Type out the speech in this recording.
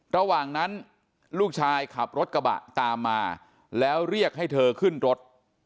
ระหว่างนั้นลูกชายขับรถกระบะตามมาแล้วเรียกให้เธอขึ้นรถ